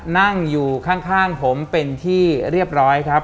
นั่งอยู่ข้างผมเป็นที่เรียบร้อยครับ